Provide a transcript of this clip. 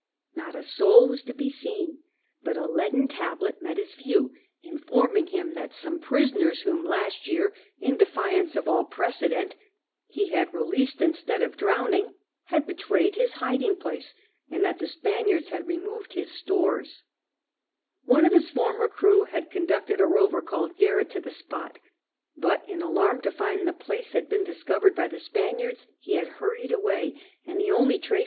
Not a soul was to be seen, but a leaden tablet met his view, informing him that some prisoners whom last year, in defiance of all precedent, he had released instead of drowning, had betrayed his hiding place, and that the Spaniards had removed his stores. One of his former crew had conducted a rover called Garrett to the spot, but, in alarm to find the place had been discovered by the Spaniards, he had hurried away, and the only traces ^ Probably the lower Puerto Escondido (Hidden Harbour) marked on Keith Johnston's map.